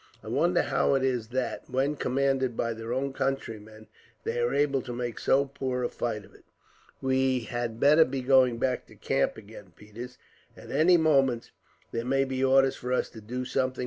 I wonder how it is that, when commanded by their own countrymen, they are able to make so poor a fight of it. "We had better be going back to camp again, Peters. At any moment, there may be orders for us to do something.